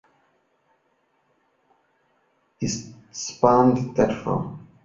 It spans Telford's Birmingham Canal Navigations New Main Line carrying Roebuck Lane.